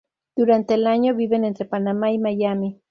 Durante el año, viven entre Panamá y Miami.